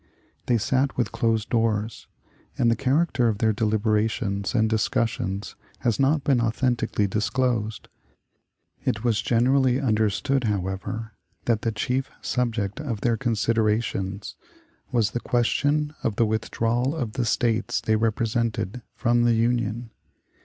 They sat with closed doors, and the character of their deliberations and discussions has not been authentically disclosed. It was generally understood, however, that the chief subject of their considerations was the question of the withdrawal of the States they represented from the Union.